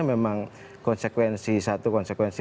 memang konsekuensi satu konsekuensi